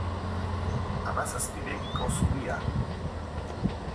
Hamazazpi begiko zubia!